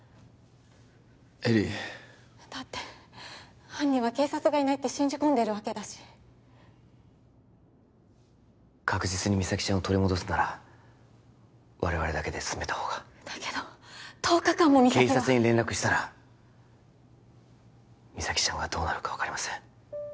絵里だって犯人は警察がいないって信じ込んでるわけだし確実に実咲ちゃんを取り戻すなら我々だけで進めたほうがだけど１０日間も実咲は警察に連絡したら実咲ちゃんがどうなるか分かりません